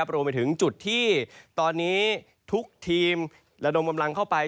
รวมไปถึงจุดที่ตอนนี้ทุกทีมระดมกำลังเข้าไป